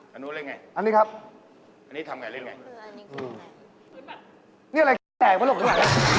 มันต้องมีไขวันออกไปดีกว่า